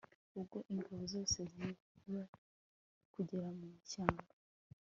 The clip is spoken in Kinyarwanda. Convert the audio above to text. ubwo ingabo zose ziza kugera mu ishyamba